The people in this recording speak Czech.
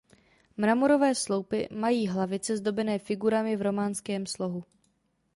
Mramorové sloupy mají hlavice zdobené figurami v románském slohu.